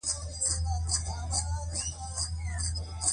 زه به له تا سره لاړ شم.